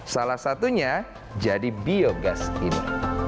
salah satunya jadi biogas ini